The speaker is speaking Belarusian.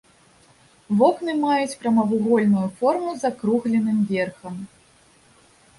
Вокны маюць прамавугольную форму з акругленым верхам.